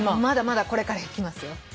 まだまだこれからいきますよ。